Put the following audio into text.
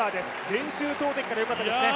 練習投てきからよかったですね。